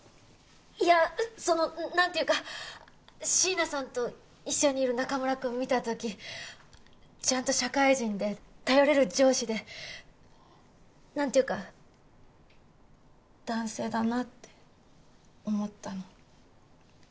いやそのなんていうか椎名さんと一緒にいる中村くんを見た時ちゃんと社会人で頼れる上司でなんていうか男性だなって思ったの。